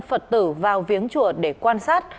phật tử vào viếng chùa để quan sát